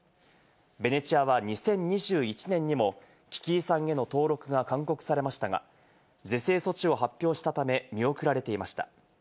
ベネチアは２０２１年にも危機遺産への登録が勧告されましたが、是正措置を発表したため見送られていました。